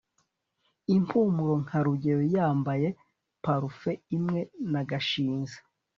impumuro nka rugeyo yambaye parufe imwe na gashinzi